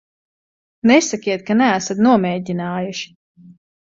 Nesakiet, ka neesat nomēģinājuši.